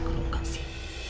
kalau enggak sih